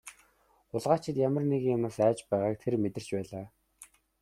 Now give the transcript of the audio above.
Хулгайлагчид ямар нэгэн юмнаас айж байгааг тэр мэдэрч байлаа.